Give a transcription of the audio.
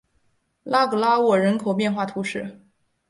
拉格拉沃人口变化图示